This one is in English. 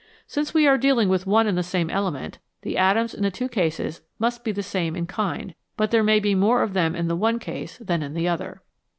Since we are dealing with one and the same element, the atoms in the two cases must be the same in kind, but there may be more of them in the one case than in the other.